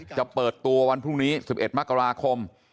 จะเปิดตัววันพรุ่งนี้๑๑มกราคม